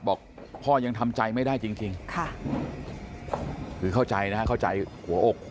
บอกพ่อยังทำใจไม่ได้จริงค่ะคือเข้าใจนะฮะเข้าใจหัวอก